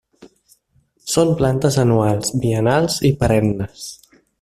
Són plantes anuals, biennals i perennes.